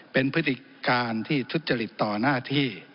เป็นพฤติการที่ทุจริตต่อหน้าที่